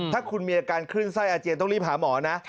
ถ้าคุณมีอาการคลื่นไส้อาเจียนต้องรีบหาหมอนะ